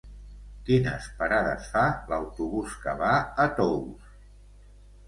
Quines parades fa l'autobús que va a Tous?